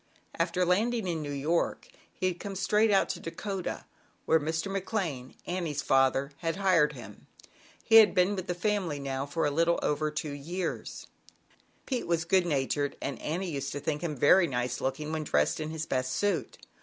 After landing in New York he had come straight out to Dakota, where Mr. Mc Lane, Annie's father, had hired him. He had been with the family now for a little over two years. ZAUBERLINDA, THE WISE WITCH. 57 Pete was good natured, and Annie used to think him very nice looking when dressed in his best suit.